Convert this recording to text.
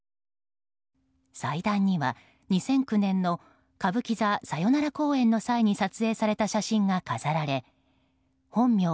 祭壇には２００９年の歌舞伎座さよなら公演の際に撮影された写真が飾られ本名